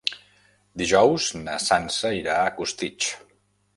Dijous na Sança irà a Costitx.